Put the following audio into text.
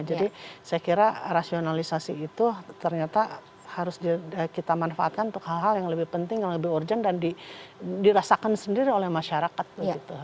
jadi saya kira rasionalisasi itu ternyata harus kita manfaatkan untuk hal hal yang lebih penting yang lebih urgent dan dirasakan sendiri oleh masyarakat begitu